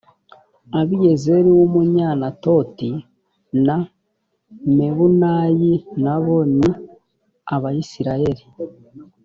abiyezeri w umunyanatoti na mebunayi nabo ni abayisilaheli